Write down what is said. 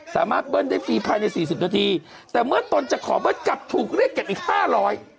เบิ้ลได้ฟรีภายในสี่สิบนาทีแต่เมื่อตนจะขอเบิ้ลกลับถูกเรียกเก็บอีกห้าร้อย